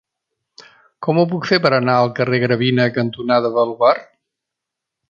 Com ho puc fer per anar al carrer Gravina cantonada Baluard?